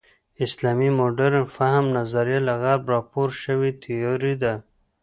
اسلامي مډرن فهم نظریه له غرب راپور شوې تیوري ده.